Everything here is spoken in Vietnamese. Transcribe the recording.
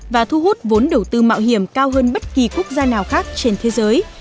và thu hút vốn đầu tư mạo hiểm cao hơn bất kỳ quốc gia nào khác trên thế giới